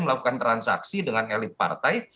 melakukan transaksi dengan elit partai